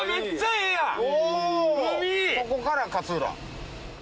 ここから勝浦。